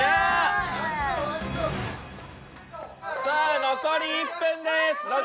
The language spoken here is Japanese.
さぁ残り１分です。